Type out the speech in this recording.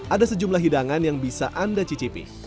ada sejumlah hidangan yang bisa anda cicipi